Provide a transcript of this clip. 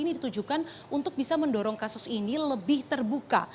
ini ditujukan untuk bisa mendorong kasus ini lebih terbuka